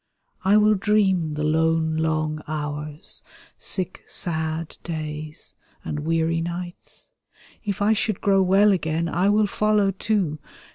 I will dream the lone long hours, sick sbA days, and weary nights; If I should grow well again I will follow too.